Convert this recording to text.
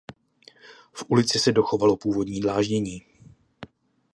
V ulici se dochovalo původní dláždění.